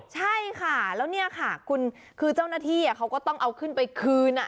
ใช่ค่ะแล้วเนี่ยค่ะคุณคือเจ้าหน้าที่เขาก็ต้องเอาขึ้นไปคืน